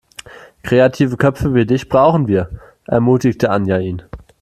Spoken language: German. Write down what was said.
Kreative Köpfe wie dich brauchen wir, ermutigte Anja ihn.